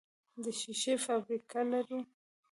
د شیشې فابریکه لرو؟